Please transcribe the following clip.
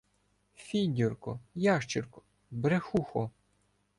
Фіндюрко, ящірко, брехухо!